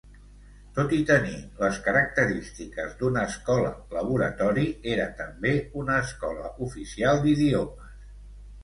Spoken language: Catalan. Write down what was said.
Tot i tenir les característiques d'una escola laboratori era també una escola oficial d'idiomes.